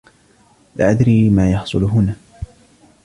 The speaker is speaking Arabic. لا أدري ما يحصل هنا.